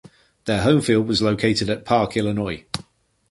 Their home field was located at Parc Illinois.